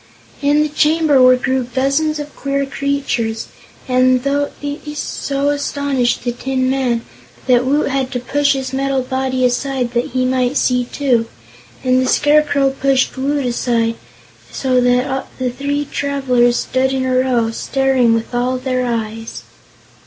In the chamber were grouped dozens of queer creatures, and these so astonished the Tin Man that Woot had to push his metal body aside, that he might see, too. And the Scarecrow pushed Woot aside, so that the three travelers stood in a row, staring with all their eyes.